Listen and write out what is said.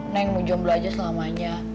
neng mau jomblo aja selamanya